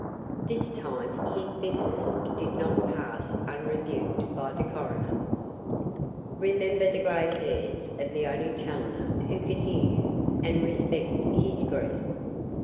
This time his bitterness did not pass unrebuked by the coroner: "Remember the grey hairs of the only Challoner who can hear you, and respect his grief."